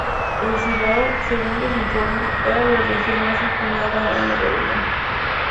El Cibao, según los informes, era la región más inclinada a una rebelión.